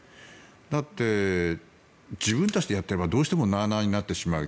だって、自分たちでやっていればどうしてもなあなあになってしまう。